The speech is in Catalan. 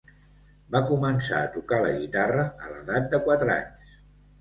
Va començar a tocar la guitarra a l'edat de quatre anys.